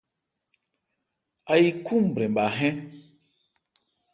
Áyí khúúnbrɛn bha hɛ́n.